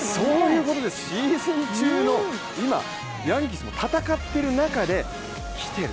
シーズン中の、今ヤンキースも戦っている中で来ている。